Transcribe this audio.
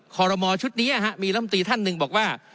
ขอรมอชุดนี้มีลำตีท่านหนึ่งบอกว่า